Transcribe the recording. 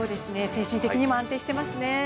精神的にも安定してますね。